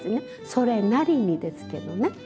それなりにですけどね。